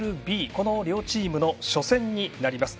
この両チームの初戦になります。